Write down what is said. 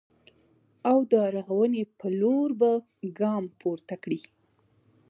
او د رغونې په لور به ګام پورته کړي